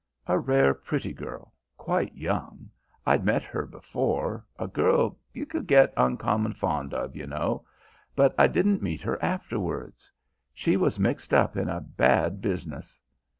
A rare pretty girl, quite young, I'd met her before, a girl you could get uncommon fond of, you know, but I didn't meet her afterwards: she was mixed up in a bad business.